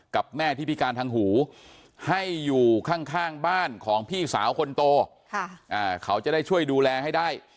กับแม่ที่พิการทางหูให้อยู่ข้างบ้านของพี่สาวคนโตเขาจะได้ช่วยดูแลให้ได้